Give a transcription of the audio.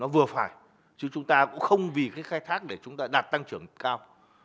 vừa phải chứ chúng ta cũng không vì cái khai thác để chúng ta đạt tăng trưởng cao